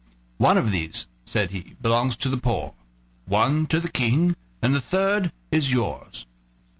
"One of these," said he, "belongs to the poor, one to the King, and the third is yours."